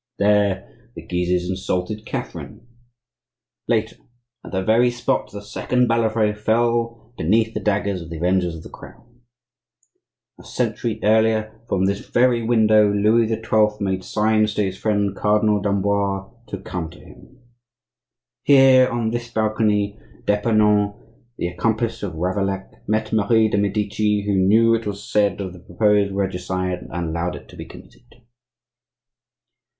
"There, the Guises insulted Catherine." "Later, at that very spot the second Balafre fell beneath the daggers of the avengers of the Crown." "A century earlier, from this very window, Louis XII. made signs to his friend Cardinal d'Amboise to come to him." "Here, on this balcony, d'Epernon, the accomplice of Ravaillac, met Marie de' Medici, who knew, it was said, of the proposed regicide, and allowed it to be committed."